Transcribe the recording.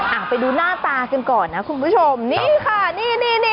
อ่ะไปดูหน้าตากันก่อนนะคุณผู้ชมนี่ค่ะนี่นี่